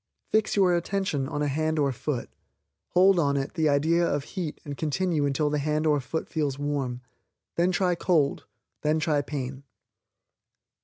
Fix your attention on a hand or foot, hold on it the idea of heat and continue until the hand or foot feels warm. Then try cold; then try pain.